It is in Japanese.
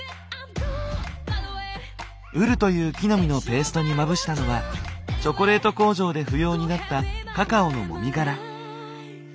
ウルという木の実のペーストにまぶしたのはチョコレート工場で不要になったカカオのもみ殻。